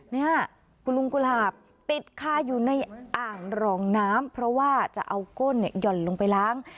นี่คุณลุงกุหลาบติดคาอยู่ในอ่างรองน้ำเพราะว่าจะเอาก้นหย่อนลงไปล้าง